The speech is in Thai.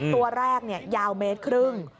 ตัวแรกเนี่ยยาวเมตรครึ่ง